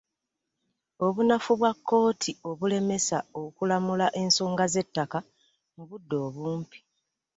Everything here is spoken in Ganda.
Obunafu bwa kkooti obulemesa okulamula ensonga z'ettaka mu budde obumpi.